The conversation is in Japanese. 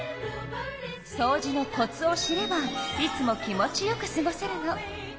そうじのコツを知ればいつも気持ちよくすごせるの。